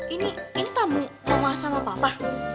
ini ini tamu mama sama papa